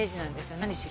何しろ。